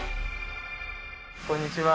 こんにちは。